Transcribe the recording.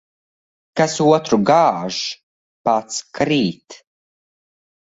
Kas otru gāž, pats krīt.